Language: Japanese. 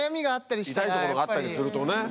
痛いところがあったりするとね。